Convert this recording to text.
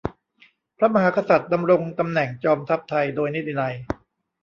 พระมหากษัตริย์ดำรงตำแหน่งจอมทัพไทยโดยนิตินัย